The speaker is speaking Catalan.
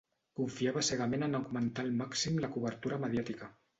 confiava cegament en augmentar al màxim la cobertura mediàtica.